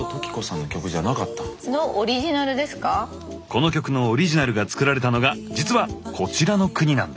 この曲のオリジナルが作られたのが実はこちらの国なんです。